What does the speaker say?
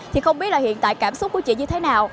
thì không biết là hiện tại cảm xúc của chị như thế nào